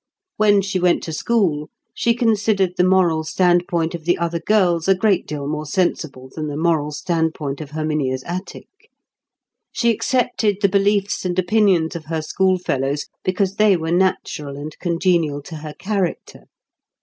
When she went to school, she considered the moral standpoint of the other girls a great deal more sensible than the moral standpoint of Herminia's attic. She accepted the beliefs and opinions of her schoolfellows because they were natural and congenial to her character.